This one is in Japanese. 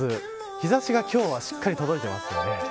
日差しが今日はしっかり届いています。